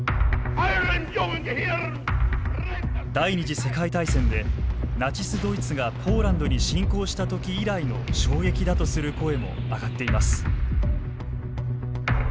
第２次世界大戦でナチス・ドイツがポーランドに侵攻したとき以来の衝撃だとする声も上がっています。